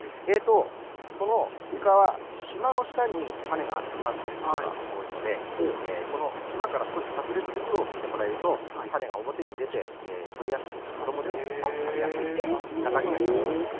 このスイカは、しまの下に種が詰まっていることが多いのでしまから少し外れたところを切っていただくと種が表に出て取りやすく子どもでも食べやすくなります。